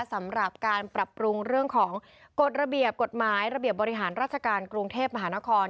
สำหรับการปรับปรุงเรื่องของกฎระเบียบกฎหมายระเบียบบริหารราชการกรุงเทพมหานคร